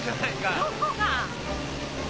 どこが！